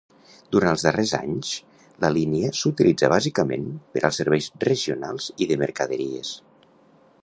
Durant els darrers anys la línia s’utilitza bàsicament per als serveis regionals i de mercaderies.